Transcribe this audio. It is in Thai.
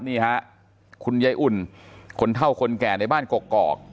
นี่ฮะคุณยายอุ่นคนเท่าคนแก่ในบ้านกกอก